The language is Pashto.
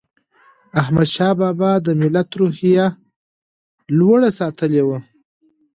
احمدشاه بابا د ملت روحیه لوړه ساتلې وه.